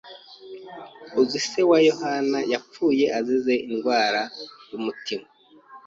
Uzi se wa Yohani yapfuye azize indwara y'umutima?